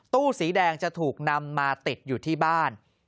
ตู้สีแดงจะถูกนำมาติดอยู่ที่บ้าน